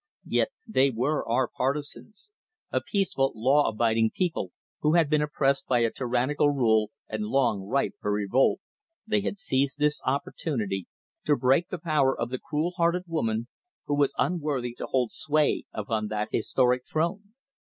Yet they were our partisans; a peaceful, law abiding people who had been oppressed by a tyrannical rule and long ripe for revolt, they had seized this opportunity to break the power of the cruel hearted woman who was unworthy to hold sway upon that historic throne.